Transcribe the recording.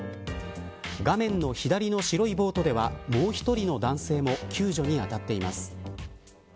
画面の左の白いボートではもう１人の男性も救助にあたっています。